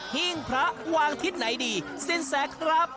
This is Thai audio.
หิ้งพระวางทิศไหนดีสินแสครับ